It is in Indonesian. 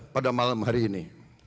pada malam hari ini